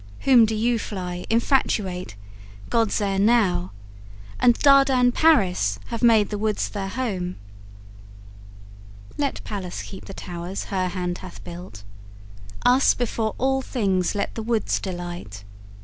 Whom do you fly, infatuate? gods ere now, And Dardan Paris, have made the woods their home. Let Pallas keep the towers her hand hath built, Us before all things let the woods delight.